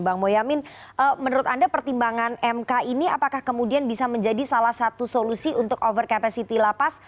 bang boyamin menurut anda pertimbangan mk ini apakah kemudian bisa menjadi salah satu solusi untuk over capacity lapas